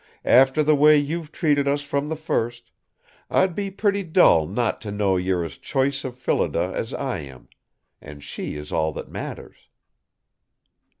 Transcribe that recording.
After the way you've treated us from the first, I'd be pretty dull not to know you're as choice of Phillida as I am; and she is all that matters."